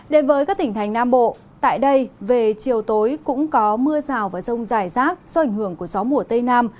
đến với các tỉnh thành nam bộ tại đây về chiều tối cũng có mưa rào và rông dài rác do ảnh hưởng của gió mùa tây nam